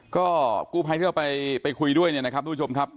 ก็กู้ไพ่เข้าไปไปคุยด้วยนะครับทุกชมครับ